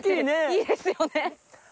いいですよね。